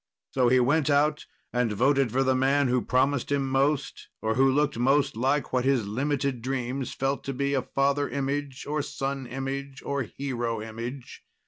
So he went out and voted for the man who promised him most, or who looked most like what his limited dreams felt to be a father image or son image or hero image.